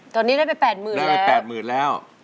ตอนนี้ได้ไป๘หมื่นแล้ว